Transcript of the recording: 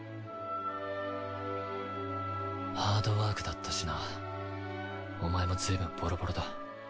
ハードワークだったしなお前もずいぶんボロボロだ。